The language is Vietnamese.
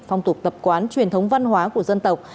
phong tục tập quán truyền thống văn hóa của dân tộc